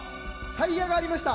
「タイヤがありました」